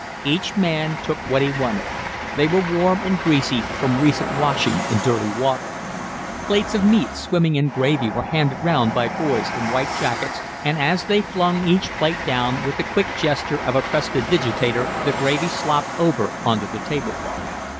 Each man took what he wanted; they were warm and greasy from recent washing in dirty water. Plates of meat swimming in gravy were handed round by boys in white jackets, and as they flung each plate down with the quick gesture of a prestidigitator the gravy slopped over on to the table cloth.